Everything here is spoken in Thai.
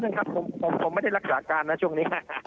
ชิคกี้พีชนิดนึงครับผมไม่ได้รักษาการนะช่วงนี้ครับ